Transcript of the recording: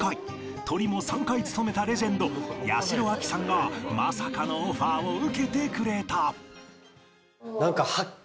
トリも３回務めたレジェンド八代亜紀さんがまさかのオファーを受けてくれた